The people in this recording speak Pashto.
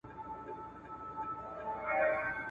په نرمتیا او مهربانۍ کي وي